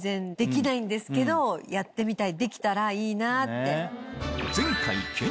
やってみたい。